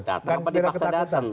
datang apa dipaksa datang